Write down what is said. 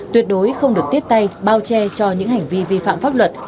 tuyệt đối không được tiếp tay bao che cho những hành vi vi phạm pháp luật